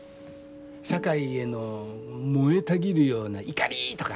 社会への燃えたぎるような怒りとか？